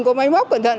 có máy móc cẩn thận